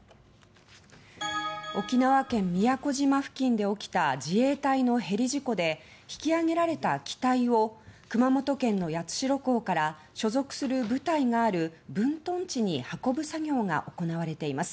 沖縄県宮古島付近で起きた自衛隊のヘリ事故で引き揚げられた機体を熊本県の八代港から所属する部隊がある分屯地に運ぶ作業が行われています。